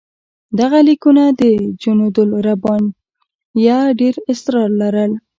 دغه لیکونه د جنودالربانیه ډېر اسرار لرل.